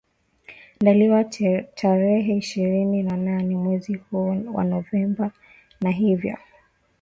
ndaliwa tarehe ishirini na nane mwezi huu wa novemba na hivyo